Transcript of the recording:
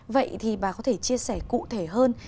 vậy thì bà có thể chia sẻ cụ thể hơn